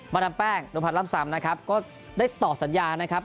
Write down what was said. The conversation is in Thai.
ดามแป้งนวพันธ์ล่ำซำนะครับก็ได้ต่อสัญญานะครับ